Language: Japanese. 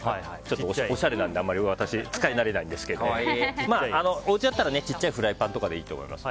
おしゃれなので私、使い慣れないんですけどおうちだったらちっちゃいフライパンとかでいいと思います。